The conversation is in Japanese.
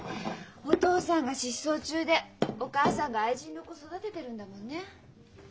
お父さんが失踪中でお母さんが愛人の子育ててるんだもんね。